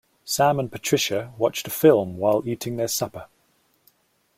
Sam and Patricia watched a film while eating their supper.